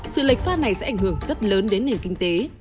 sự lệch pha này sẽ ảnh hưởng rất lớn đến nền kinh tế